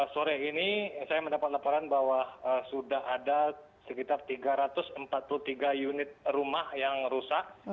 sore ini saya mendapat laporan bahwa sudah ada sekitar tiga ratus empat puluh tiga unit rumah yang rusak